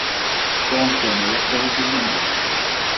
توم كان وحده في المنزل.